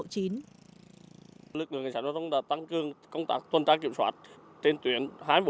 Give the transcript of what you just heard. lực lượng chức năng trong đó là tăng cường công tác tuần tra kiểm soát trên tuyến hai mươi bốn hai mươi bốn